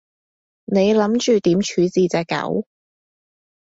你諗住點處置隻狗？